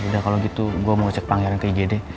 yaudah kalo gitu gue mau cek pangeran ke igd